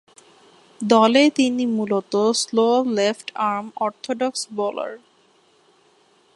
দলে তিনি মূলতঃ স্লো লেফট-আর্ম অর্থোডক্স বোলার।